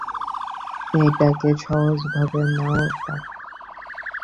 এটাকে সহজ ভাবে নাও, ডার্ক।